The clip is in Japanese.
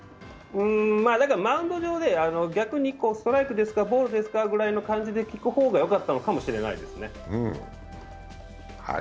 マウンド上で逆にストライクですか、ボールですかみたいな感じで聞く方がよかったかもしれないですね。